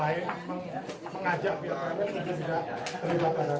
jadi ini sangat positif sekali yang dilakukan oleh di narkoba upaya upaya pencegahan